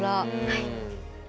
はい。